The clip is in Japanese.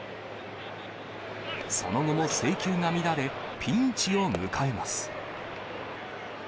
その後も制球が乱れ、ピンチを迎えます。